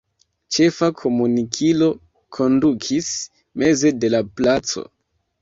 Ĉefa komunikilo kondukis meze de la placo.